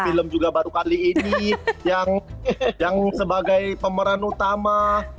film juga baru kali ini yang sebagai pemeran utama